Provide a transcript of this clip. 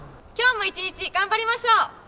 今日も一日頑張りましょう！